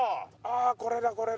ああこれだこれだ。